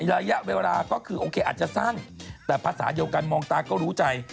ระยะเวลาก็คือโอเคอาจจะสั้นแต่ภาษาเดียวกันมองตาก็รู้ใจ